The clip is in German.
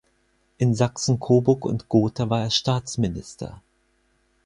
In Sachsen-Coburg und Gotha war er Staatsminister.